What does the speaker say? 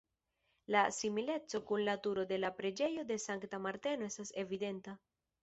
La simileco kun la Turo de la Preĝejo de Sankta Marteno estas evidenta.